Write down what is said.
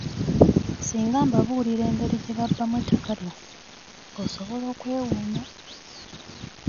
Singa mbabuulira engeri gye babbamu ettaka lyaffe, osobola okwewuunya.